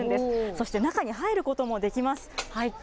そして中に入ることもできます。